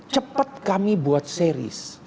cepet kami buat series